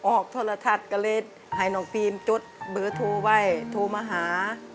ออกโทรทัศน์ก็เลยให้น้องฟิล์มจดเบอร์โทรไว้โทรมาหา